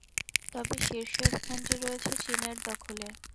তবে শীর্ষস্থানটি রয়েছে চীনের দখলে।